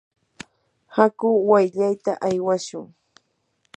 aku wayllayta aywashun.